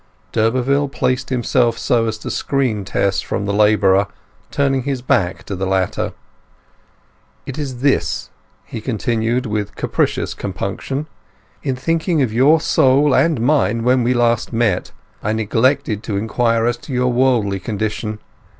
D'Urberville placed himself so as to screen Tess from the labourer, turning his back to the latter. "It is this," he continued, with capricious compunction. "In thinking of your soul and mine when we last met, I neglected to inquire as to your worldly condition.